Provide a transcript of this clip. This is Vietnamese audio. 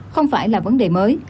không phải là vấn đề mới